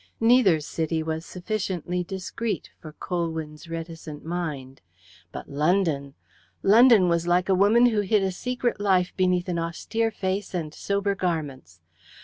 Neither city was sufficiently discreet for Colwyn's reticent mind. But London! London was like a woman who hid a secret life beneath an austere face and sober garments.